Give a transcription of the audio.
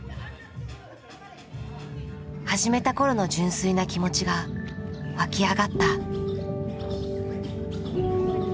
始めた頃の純粋な気持ちが湧き上がった。